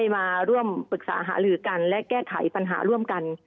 มาร่วมปรึกษาหาลือกันและแก้ไขปัญหาร่วมกัน